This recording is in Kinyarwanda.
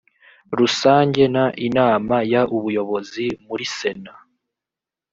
rusange n inama y ubuyobozi muri sena